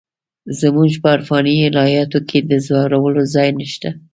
زموږ په عرفاني الهیاتو کې د ځورولو ځای نشته.